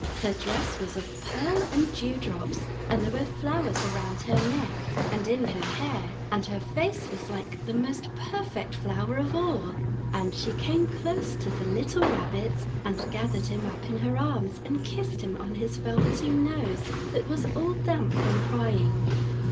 Her dress was of pearl and dew drops, and there were flowers round her neck and in her hair, and her face was like the most perfect flower of all. And she came close to the little Rabbit and gathered him up in her arms and kissed him on his velveteen nose that was all damp from crying.